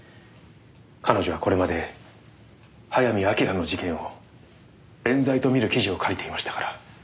彼女はこれまで早見明の事件を冤罪と見る記事を書いていましたから。